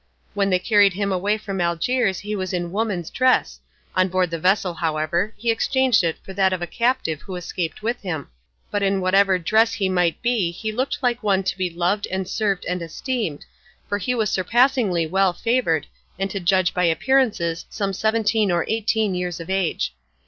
When they carried him away from Algiers he was in woman's dress; on board the vessel, however, he exchanged it for that of a captive who escaped with him; but in whatever dress he might be he looked like one to be loved and served and esteemed, for he was surpassingly well favoured, and to judge by appearances some seventeen or eighteen years of age.